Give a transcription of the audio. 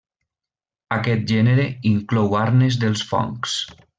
Aquest gènere inclou arnes dels fongs.